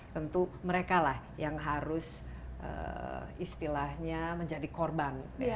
tentu mereka lah yang harus istilahnya menjadi korban